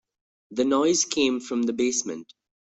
The noise came from the basement.